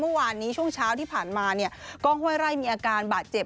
เมื่อวานนี้ช่วงเช้าที่ผ่านมาเนี่ยกล้องห้วยไร่มีอาการบาดเจ็บ